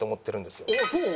おっそう？